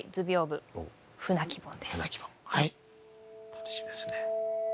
楽しみですね。